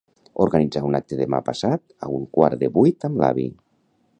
Organitzar un acte demà passat a un quart de vuit amb l'avi.